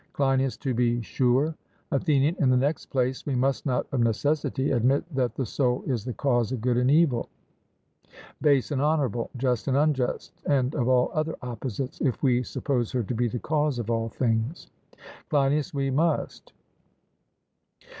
CLEINIAS: To be sure. ATHENIAN: In the next place, we must not of necessity admit that the soul is the cause of good and evil, base and honourable, just and unjust, and of all other opposites, if we suppose her to be the cause of all things? CLEINIAS: We must.